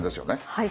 はい。